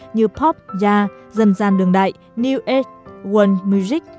như pop jazz dân gian đường đại new age world music